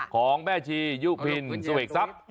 ของแม่ชียุพินสุวิสัพ